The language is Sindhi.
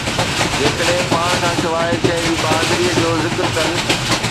جيڪڏهن پاڻ کان سواءِ ڪنهن جي بهادريءَ جو ذڪر ڪن.